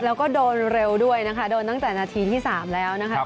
แล้วก็โดนเร็วด้วยนะคะโดนตั้งแต่นาทีที่๓แล้วนะคะ